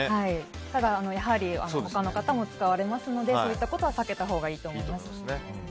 ただ、やはり他の方も使われますのでそういったことは避けたほうがいいと思います。